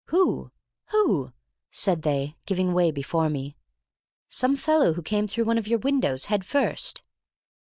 "Who? Who?" said they, giving way before me. "Some fellow who came through one of your windows head first."